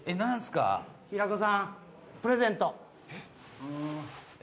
平子さん、プレゼント。